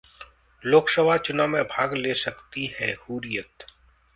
लोकसभा चुनाव में भाग ले सकती है हुर्रियत